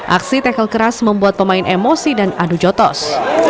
aksi tekel keras membuat pemain emosi dan adu jotos